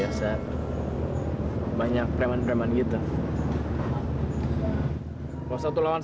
harusnya aku rashit desa